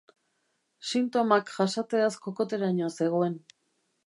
Sintomak jasateaz kokoteraino zegoen.